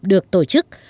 được tăng lên